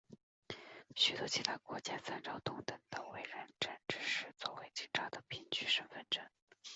许多其他国家参照同等的委任证只是作为警察的凭据身份证。